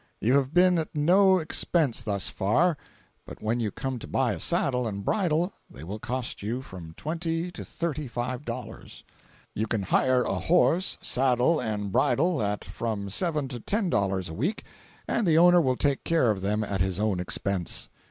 You have been at no expense thus far, but when you come to buy a saddle and bridle they will cost you from twenty to thirty five dollars. You can hire a horse, saddle and bridle at from seven to ten dollars a week, and the owner will take care of them at his own expense.